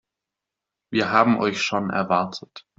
Wir haben euch schon erwartet.